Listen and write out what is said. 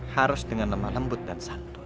harus dengan lemak lembut dan santun